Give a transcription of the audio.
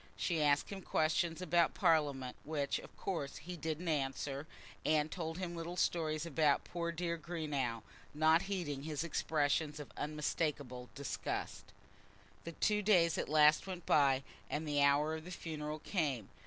She asked him questions about Parliament, which, of course, he didn't answer, and told him little stories about poor dear Greenow, not heeding his expressions of unmistakable disgust. The two days at last went by, and the hour of the funeral came.